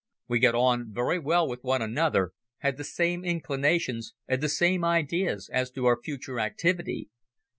We got on very well with one another, had the same inclinations and the same ideas as to our future activity.